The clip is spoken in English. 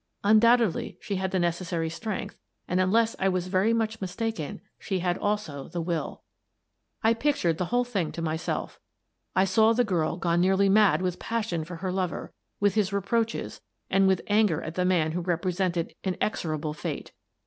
Undoubtedly she had the necessary strength, and, unless I was very much mistaken, she had also the will. I pictured the whole thing to myself. I saw the girl gone nearly mad with passion for her lover, with his reproaches, and with anger at the man who represented inexorable fate.